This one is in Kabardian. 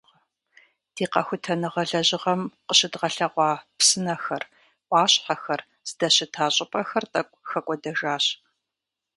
Ди къэхутэныгъэ лэжьыгъэм къыщыдгъэлъэгъуа псынэхэр, ӏуащхьэхэр здэщыта щӏыпӏэхэр тӏэкӏу хэкӏуэдэжащ.